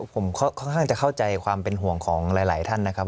ผมค่อนข้างจะเข้าใจความเป็นห่วงของหลายท่านนะครับ